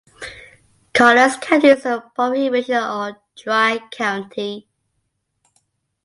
Carlisle County is a prohibition or dry county.